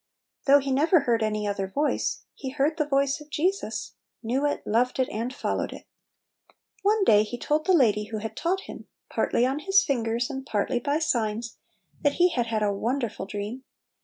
Though he never heard any other voice, he heard the voice of Jesus, knew it, loved it, and followed it One day he told the lady who had taught him, partly on his fingers and partly by signs, that he had had a won derful dream.